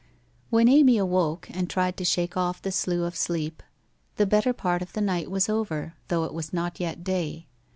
When Amy awoke, and tried to shake off the slough of sleep, the better part of the night was over, though it was not yet day.